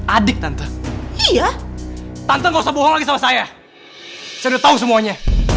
adik tante iya tante gak usah bohong lagi sama saya sudah tahu semuanya